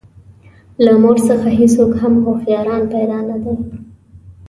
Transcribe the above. له مور څخه هېڅوک هم هوښیاران پیدا نه دي.